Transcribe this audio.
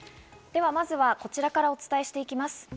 では、まずはこちらからお伝えしていきます。